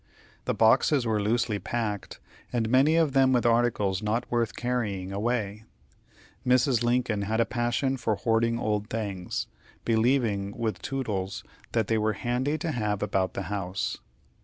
The boxes were loosely packed, and many of them with articles not worth carrying away. Mrs. Lincoln had a passion for hoarding old things, believing, with Toodles, that they were "handy to have about the house."